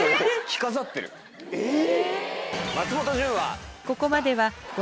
えっ？